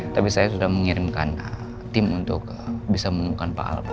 tapi saya sudah mengirimkan tim untuk bisa membuka paham